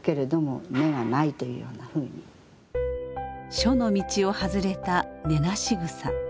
書の道を外れた根なし草。